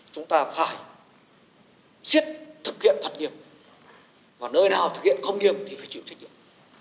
chúng ta phải siết thực hiện thật nghiệp và nơi nào thực hiện không nghiêm thì phải chịu trách nhiệm